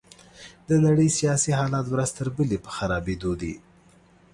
د نړۍ سياسي حالات ورځ تر بلې په خرابيدو دي.